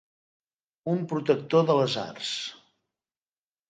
Un protector de les arts.